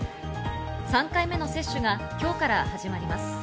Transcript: ３回目の接種が今日から始まります。